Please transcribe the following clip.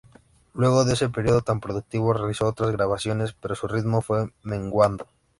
Luego de ese período tan productivo realizó otras grabaciones pero su ritmo fue menguando.